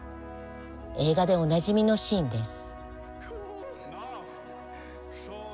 映画でおなじみのシーンです。